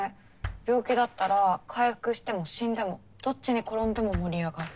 病気だったら回復しても死んでもどっちに転んでも盛り上がる。